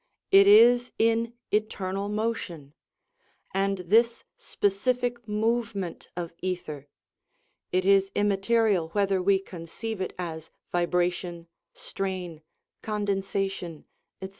It is in eternal motion; and this specific movement of ether (it is immaterial whether we conceive it as vibration, strain, condensation, etc.)